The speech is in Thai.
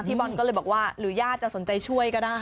บอลก็เลยบอกว่าหรือญาติจะสนใจช่วยก็ได้